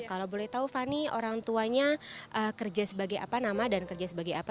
kalau boleh tahu fani orang tuanya kerja sebagai apa nama dan kerja sebagai apa